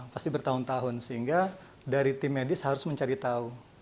pasti bertahun tahun sehingga dari tim medis harus mencari tahu